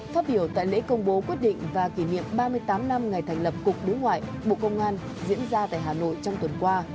phát biểu tại lễ công bố quyết định và kỷ niệm ba mươi tám năm ngày thành lập cục đối ngoại bộ công an diễn ra tại hà nội trong tuần qua